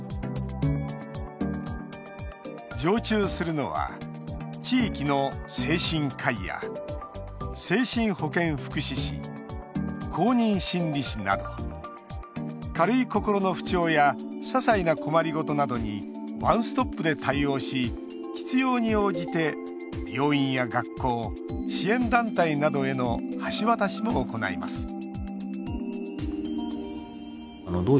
常駐するのは、地域の精神科医や精神保健福祉士、公認心理師など軽い心の不調やささいな困りごとなどにワンストップで対応し必要に応じて病院や学校、支援団体などへの橋渡しも行います